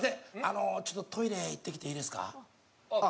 ちょっとトイレ行ってきていいですか？